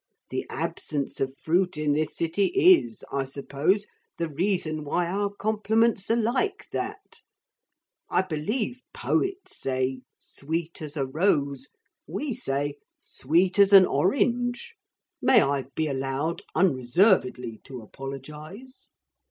The absence of fruit in this city is, I suppose, the reason why our compliments are like that. I believe poets say "sweet as a rose" we say "sweet as an orange." May I be allowed unreservedly to apologise?'